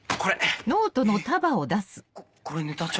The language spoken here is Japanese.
えっこれネタ帳？